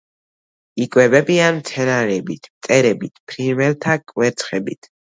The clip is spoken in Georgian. იკვებებიან მცენარეებით, მწერებით, ფრინველთა კვერცხებით.